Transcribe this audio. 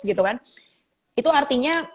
gitu kan itu artinya